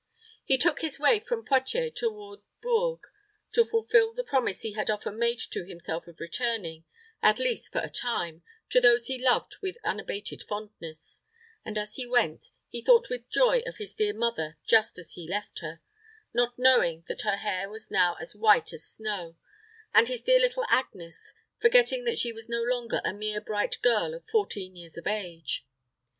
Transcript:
He took his way from Poictiers toward Bourges, to fulfill the promise he had often made to himself of returning, at least for a time, to those he loved with unabated fondness; and as he went, he thought with joy of his dear mother just as he left her not knowing that her hair was now as white as snow; and his dear little Agnes forgetting that she was no longer a mere bright girl of fourteen years of age.